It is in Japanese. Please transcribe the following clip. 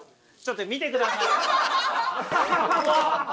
ちょっと見てください。